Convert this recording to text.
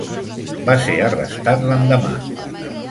Va ser arrestat l'endemà.